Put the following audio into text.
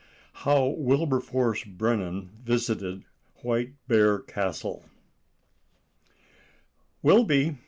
*HOW WILBERFORCE BRENNAN VISITED WHITE BEAR CASTLE.* "Wilby!